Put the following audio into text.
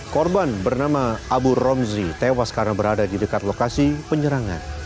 korban bernama abu romzi tewas karena berada di dekat lokasi penyerangan